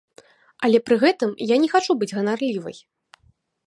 Але пры гэтым я не хачу быць ганарлівай.